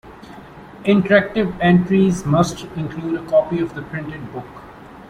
Interactive entries must include a copy of the printed book.